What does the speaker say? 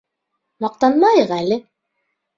Маҡтанмайыҡ әле!